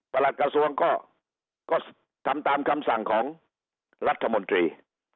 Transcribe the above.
หลักกระทรวงก็ทำตามคำสั่งของรัฐมนตรี